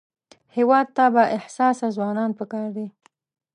هېواد ته بااحساسه ځوانان پکار دي